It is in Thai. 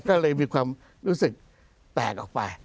ก็เลยมีความรู้สึกแตกออกไป